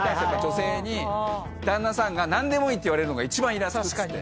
女性に旦那さんが「何でもいい」って言われるのが一番イラつくって。